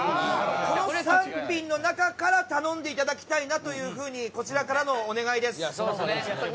この３品の中から頼んでいただきたいなという風にこちらからのお願いです。